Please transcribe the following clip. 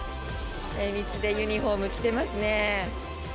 道でユニホーム着てますね。